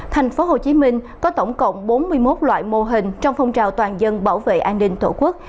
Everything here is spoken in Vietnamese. thành phố hồ chí minh có tổng cộng bốn mươi một loại mô hình trong phong trào toàn dân bảo vệ an ninh tổ quốc